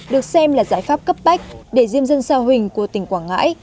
được xem là giải pháp cấp bách để diêm dân sa huỳnh của tỉnh quảng ngãi